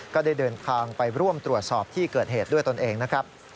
ก็ได้เดินทางไปร่วมตรวจสอบที่เกิดเหตุด้วยตนเองนะครับ